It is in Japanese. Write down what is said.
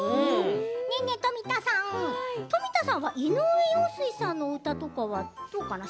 ねえねえ富田さん富田さんは井上陽水さんのお歌とかはどうかな？